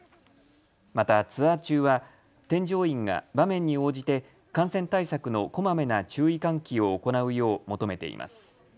またツアー中は添乗員が場面に応じて感染対策のこまめな注意喚起を行うよう求めています。